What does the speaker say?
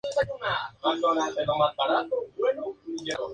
La explosión destruyó una habitación en el edificio.